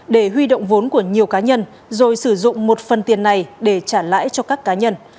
để huy động vốn của nhiều cá nhân rồi sử dụng một phần tiền này để trả lãi cho các cá nhân